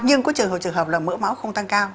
nhưng có trường hợp trường hợp là mỡ máu không tăng cao